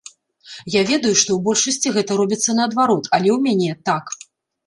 Я ведаю, што ў большасці гэта робіцца наадварот, але ў мяне так.